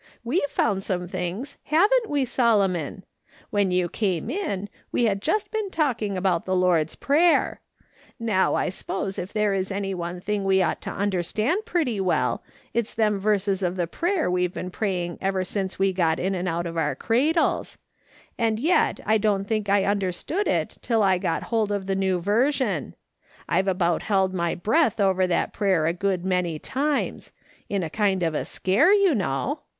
" We've found some things, haven't we, Solomon ? When you come in we had just been talking about the Lord's Prayer, Now, I s'pose if there is any one thing we ought to understand pretty well, it's them verses of the prayer we've been praying ever since we got in and out of our cradles ; and yet I don't think I understood it till I got hold of the New Version. I've about held my breath over that prayer a good many times ; in a kind of a scare, you know.